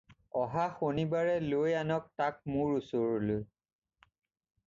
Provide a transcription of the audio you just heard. অহা শনিবাৰে লৈ আনক তাক মোৰ ওচৰলৈ।